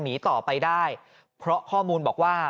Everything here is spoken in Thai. ปี๖๕วันเช่นเดียวกัน